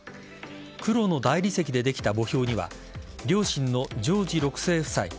黒の大理石でできた墓標には両親のジョージ６世夫妻